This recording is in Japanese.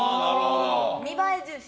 見栄え重視。